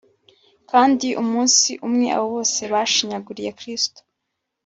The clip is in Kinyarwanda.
kandi umunsi umwe abo bose bashinyaguriye kristo,